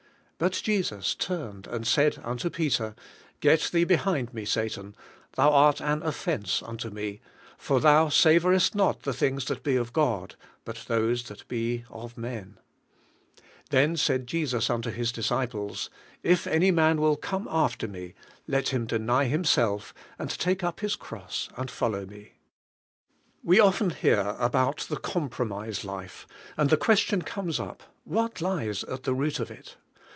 But Jesus turned and said unto Peter, "Get thee behind me, Satan; thou art an offense unto me, for thou savorest not the things that be of God, but those that be of men." Then said 2G THE SELF LIFE 27 Jesus unto His disciples, "If any man will come after me, let him deny himself, and take up his cross and follow me." We often hear about the compromise life and the question comes up What lies at the root of it?